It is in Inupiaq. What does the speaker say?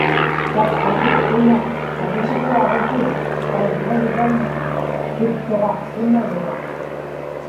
tatqakiptuma aputikuaġutim aksraligaŋa kiktuġaqsimaruaq